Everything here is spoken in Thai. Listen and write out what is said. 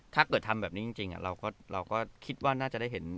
ถ้าเกิดทำแบบนี้จริงจริง่ะเราก็มันเราก็คิดว่าน่าจะได้เห็น